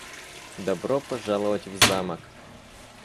Добро пожаловать в Замок.